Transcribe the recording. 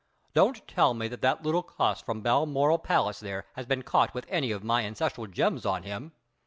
"Don't tell me that that little cuss from Balmoral Palace there has been caught with any of my ancestral gems on him!"